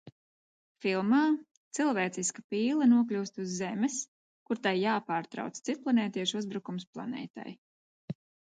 Filmā cilvēciska pīle nokļūst uz Zemes, kur tai jāpārtrauc citplanētiešu uzbrukums planētai.